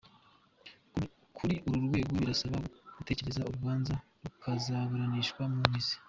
Kuri uru rwego birasaba gutegereza urubanza rukazaburanishwa mu mizi.